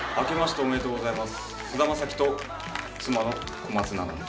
おめでとうございます。